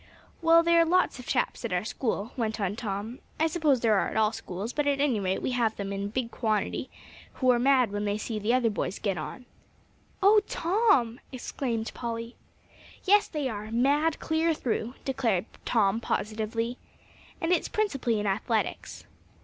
"Well, there are lots of chaps at our school," went on Tom "I suppose there are at all schools, but at any rate we have them in a big quantity, who are mad when they see the other boys get on." "Oh, Tom!" exclaimed Polly. "Yes, they are mad clear through," declared Tom positively. "And it's principally in athletics."